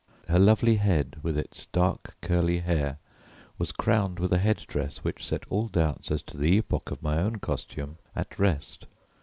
Her lovely head with its dark curly hair was crowned with a head dress which set all doubts as to the epoch of my own costume at rest.